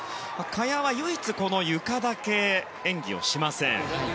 萱は唯一、ゆかだけ演技をしません。